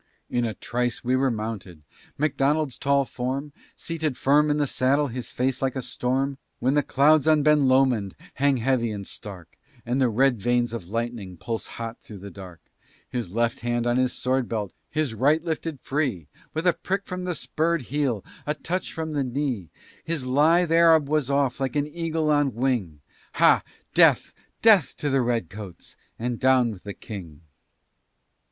In a trice we were mounted; Macdonald's tall form Seated firm in the saddle, his face like a storm When the clouds on Ben Lomond hang heavy and stark, And the red veins of lightning pulse hot through the dark; His left hand on his sword belt, his right lifted free, With a prick from the spurred heel, a touch from the knee, His lithe Arab was off like an eagle on wing Ha! death, death to the Redcoats, and down with the King!